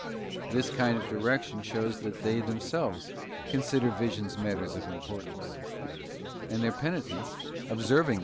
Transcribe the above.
This kind of direction shows that they themselves consider visions matters of importance; and their penitents, observing * S.